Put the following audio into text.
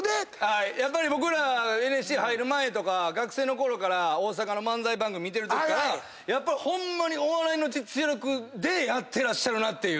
やっぱり僕らＮＳＣ入る前とか学生のころから大阪の漫才番組見てるときからやっぱりホンマにお笑いの実力でやってらっしゃるなっていう。